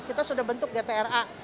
kita sudah bentuk gtra